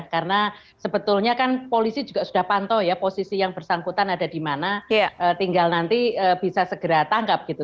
karena sebetulnya kan polisi juga sudah pantau ya posisi yang bersangkutan ada di mana tinggal nanti bisa segera tangkap gitu